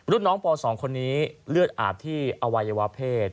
รุ่นน้องป๒คนนี้เลือดอาบที่อวัยวะเพศ